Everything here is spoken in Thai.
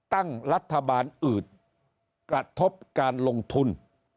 ตั้งรัฐบาลอืดกระทบการลงทุน